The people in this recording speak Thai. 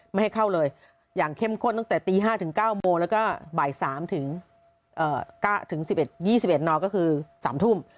ไม่ให้เข้าเลยอย่างเข้มข้นตั้งแต่ตี๕ถึง๙โมงแล้วก็บ่าย๓ถึง๑๑๒๑นก็คือ๓ทุ่ม